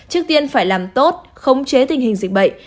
trước tiên phải làm tốt khống chế tình hình dịch bệnh